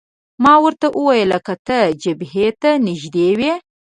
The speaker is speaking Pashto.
ما ورته وویل: که ته جبهې ته نږدې وای.